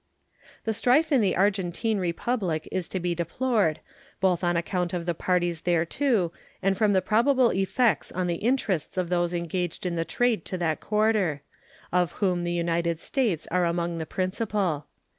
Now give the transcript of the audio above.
The strife in the Argentine Republic is to be deplored, both on account of the parties thereto and from the probable effects on the interests of those engaged in the trade to that quarter, of whom the United States are among the principal.